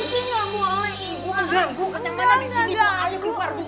bagaimana disini mau aja keluar